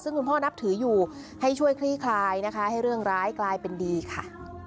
ซึ่งคุณพ่อนับถืออยู่ให้ช่วยคลี่คลายนะคะให้เรื่องร้ายกลายเป็นดีค่ะ